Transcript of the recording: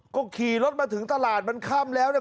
ก็ขี่รถมาถึงตลาดมันขึ้นแล้ว